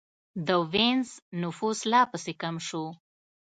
د وینز نفوس لا پسې کم شو